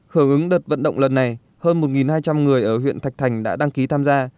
hưởng ứng đợt vận động lần này hơn một hai trăm linh người ở huyện thạch thành đã đăng ký tham gia